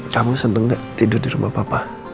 kamu seneng gak tidur di rumah papa